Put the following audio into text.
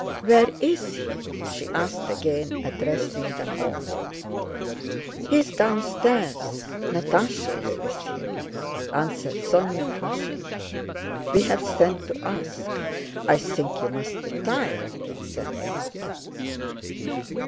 "Where is he?" she asked again, addressing them all. "He is downstairs. Natásha is with him," answered Sónya, flushing. "We have sent to ask. I think you must be tired, Princess."